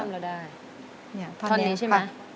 ท่อนนี้ใช่ไหม